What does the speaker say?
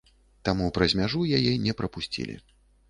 Таму праз мяжу яе не прапусцілі.